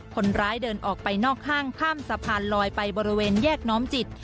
คนร้ายเดินออกไปนอกห้างข้ามสะพานลอยไปบริเวณแยกน้อมจิต